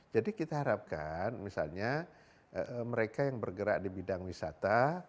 jadi kita harapkan misalnya mereka yang bergerak di bidang wisata